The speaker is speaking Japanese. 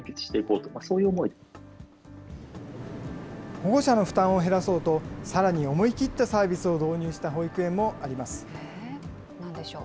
保護者の負担を減らそうと、さらに思い切ったサービスを導入した保育園もあります。